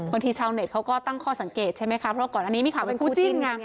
บางทีชาวเน็ตเขาก็ตั้งข้อสังเกตใช่ไหมคะเพราะก่อนนี้มีความว่าคู่จิ้น